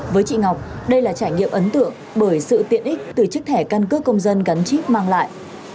với chị ngọc đây là trải nghiệm ấn tượng bởi sự tiện ích từ chiếc thẻ căn cước công dân gắn chip mang lại